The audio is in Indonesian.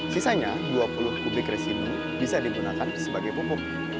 sisanya dua puluh kubik resini bisa digunakan sebagai pupuk